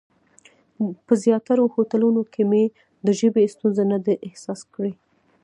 په زیاترو هوټلونو کې مې د ژبې ستونزه نه ده احساس کړې.